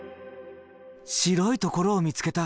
白いところを見つけた。